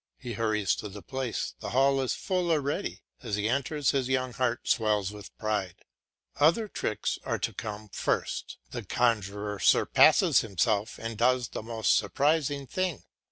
He hurries to the place; the hall is full already; as he enters his young heart swells with pride. Other tricks are to come first. The conjuror surpasses himself and does the most surprising things.